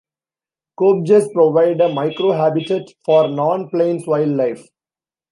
Kopjes provide a microhabitat for non-plains wildlife.